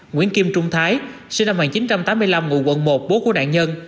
nguyễn kim trung thái sinh năm một nghìn chín trăm tám mươi năm ngụ quận một bố của nạn nhân